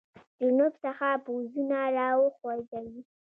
جنوب څخه پوځونه را وخوځوي.